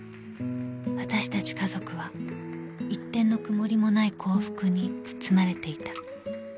［わたしたち家族は一点の曇りもない幸福に包まれていた］